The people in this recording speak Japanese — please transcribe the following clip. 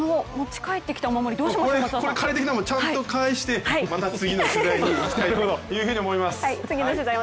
借りてきたものはちゃんと返してまた次の取材に行きたいと思います。